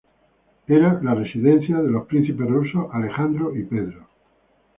Era la residencia de los príncipes rusos Alejandro y Pedro.